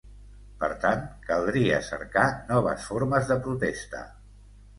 Per tant, caldria cercar noves formes de protesta.